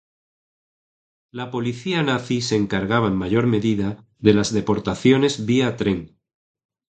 La policía nazi se encargaba en mayor medida de las deportaciones vía tren.